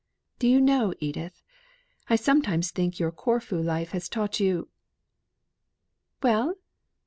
"Do you know, Edith, I sometimes think your Corfu life has taught you " "Well!"